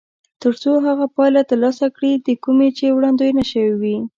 تر څو هغه پایله ترلاسه کړي د کومې چې وړاندوينه شوې وي.